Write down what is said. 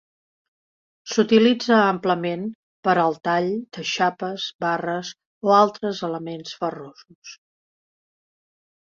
S'utilitza amplament per al tall de xapes, barres o altres elements ferrosos.